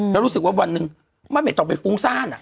แล้วรู้สึกว่าวันหนึ่งมันไม่ต้องไปฟุ้งซ่าน